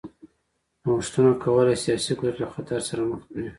نوښتونه کولای شي سیاسي قدرت له خطر سره مخ کړي.